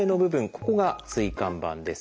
ここが椎間板です。